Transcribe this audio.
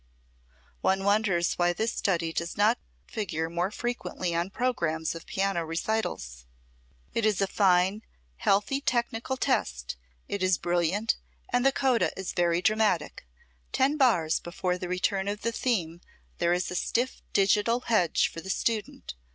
One wonders why this study does not figure more frequently on programmes of piano recitals. It is a fine, healthy technical test, it is brilliant, and the coda is very dramatic. Ten bars before the return of the theme there is a stiff digital hedge for the student.